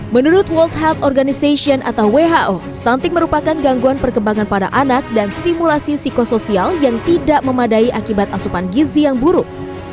menurut world health organization atau who stunting merupakan gangguan perkembangan pada anak dan stimulasi psikosoial yang tidak memadai akibat asupan gizi yang buruk